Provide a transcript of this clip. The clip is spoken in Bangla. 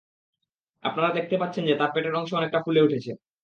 আপনারা দেখতে পাচ্ছেন যে তার পেটের অংশ অনেকটা ফুলে উঠেছে।